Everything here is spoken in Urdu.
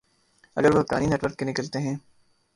اگر وہ حقانی نیٹ ورک کے نکلتے ہیں۔